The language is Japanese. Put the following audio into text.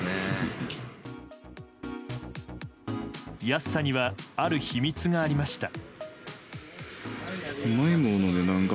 安さにはある秘密がありました。